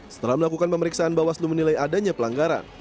setelah melakukan pemeriksaan bawaslu menilai adanya pelanggaran